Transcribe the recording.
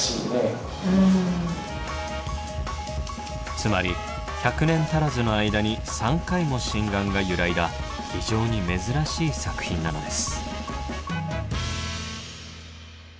つまり１００年足らずの間に３回も真贋が揺らいだ非常に珍しい作品なのです。